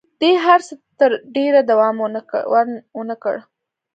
دې هر څه تر ډېره دوام ونه کړ.